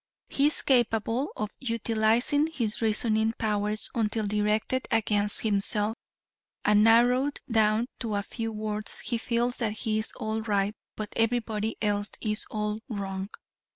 He is capable of utilizing his reasoning powers until directed against himself, and narrowed down to a few words he feels that he is all right but everybody else is all wrong.